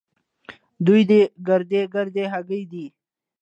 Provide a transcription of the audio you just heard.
دوې دې ګردۍ ګردۍ هګۍ دي.